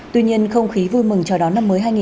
tuy nhiên không khí vui mừng chờ đón năm mới